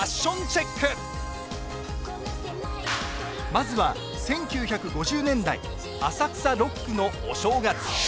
まずは１９５０年代浅草六区のお正月。